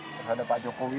terus ada pak jokowi